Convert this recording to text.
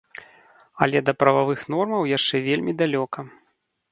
Але да прававых нормаў яшчэ вельмі далёка.